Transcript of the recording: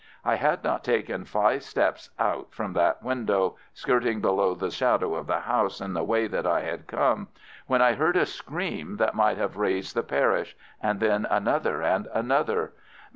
I had not taken five steps out from the window skirting down the shadow of the house in the way that I had come, when I heard a scream that might have raised the parish, and then another and another.